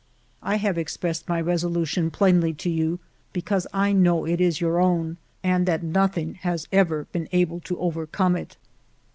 " I have expressed my resolution plainly to you because I know it is your own, and that nothing has ever been able to overcome it.